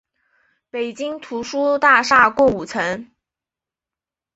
北京图书大厦共五层。